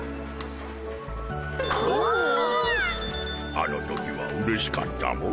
あの時はうれしかったモ。